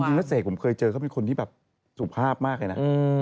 แต่จริงถ้าเสกผมเคยเจอเขาเป็นคนที่สุภาพมากเลยนะ